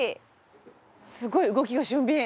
すごい動きが俊敏。